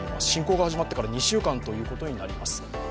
侵攻が始まってから２週間ということになります。